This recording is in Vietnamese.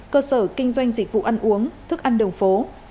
cơ sở kinh doanh dịch vụ ăn uống thức ăn đường phố